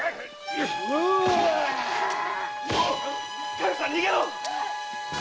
佳代さん逃げろ！